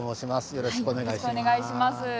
よろしくお願いします。